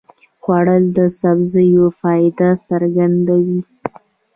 خوړل د سبزیو فایده څرګندوي